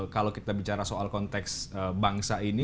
kalau kita bicara soal konteks bangsa ini